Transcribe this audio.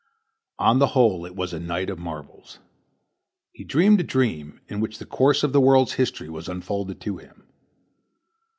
On the whole it was a night of marvels. He dreamed a dream in which the course of the world's history was unfolded to him.